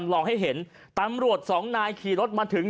ลองให้เห็นตำรวจสองนายขี่รถมาถึง